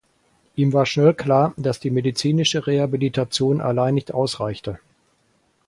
Ihm war schnell klar, dass die medizinische Rehabilitation allein nicht ausreichte.